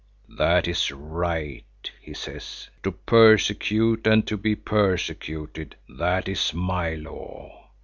"That is right," he says. "To persecute and to be persecuted, that is my law.